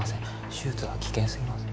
手術は危険すぎます。